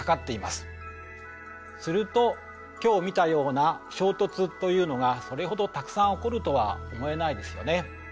すると今日見たような衝突というのがそれほどたくさん起こるとは思えないですよね。